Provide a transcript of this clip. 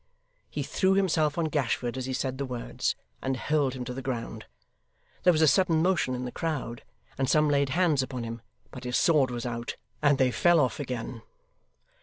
He threw himself on Gashford as he said the words, and hurled him to the ground. There was a sudden motion in the crowd, and some laid hands upon him, but his sword was out, and they fell off again.